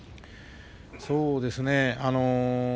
そうですね。